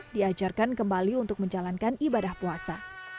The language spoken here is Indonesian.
diajarkan kembali untuk menjalankan ibadah puasa